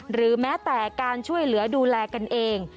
หรือแม้แต่การช่วยเหลือดูแลกันเอง